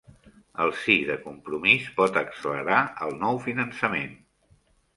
El sí de Compromís pot accelerar el nou finançament